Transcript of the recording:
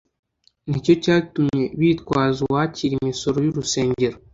nicyo cyatumye bitwaza uwakira imisoro y'urusengero.